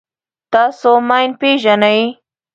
تاسو ماین پېژنئ.